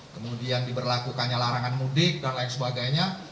kemudian diberlakukannya larangan mudik dan lain sebagainya